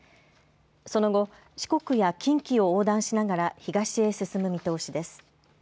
その後、四国や近畿を横断しながら東へ進む見通しです。